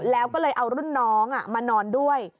แล้วก็เลยเอารุ่นน้องมานอนด้วย